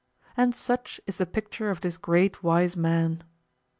and such is the picture of this great wise man.